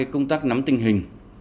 công tác nắm tình hình